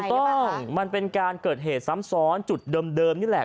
ต้องมันเป็นการเกิดเหตุซ้ำซ้อนจุดเดิมนี่แหละ